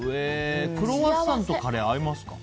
クロワッサンとカレー合いますか？